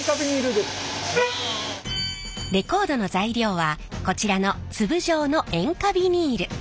レコードの材料はこちらの粒状の塩化ビニール。